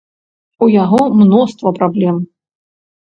У яго мноства праблем.